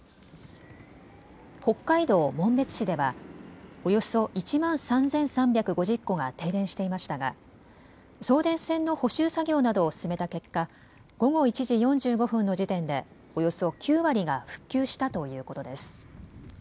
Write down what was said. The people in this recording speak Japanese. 北海道紋別市ではおよそ１万３３５０戸が停電していましたが送電線の補修作業などを進めた結果、午後１時４５分の時点でおよそ９割が復旧したということです。